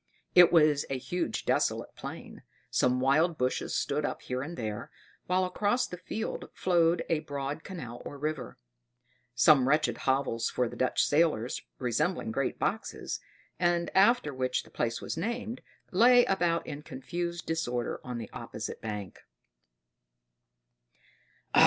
It was a huge desolate plain; some wild bushes stood up here and there, while across the field flowed a broad canal or river. Some wretched hovels for the Dutch sailors, resembling great boxes, and after which the place was named, lay about in confused disorder on the opposite bank.